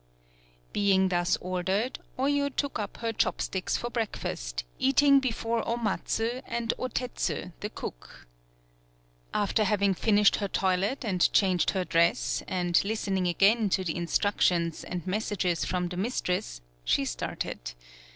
Being thus ordered, Oyo took up her chopsticks for breakfast, eating before Omatsu and Otetsu the cook. After 72 THE BILL COLLECTING having finished her toilet and changed her dress, and listening again to the in structions and messages from the mis tress, she started.